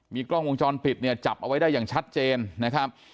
กล้องวงจรปิดเนี่ยจับเอาไว้ได้อย่างชัดเจนนะครับ